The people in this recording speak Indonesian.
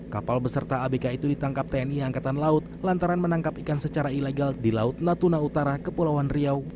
kapal beserta abk itu ditangkap tni angkatan laut lantaran menangkap ikan secara ilegal di laut natuna utara kepulauan riau